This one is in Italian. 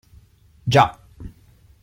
Già!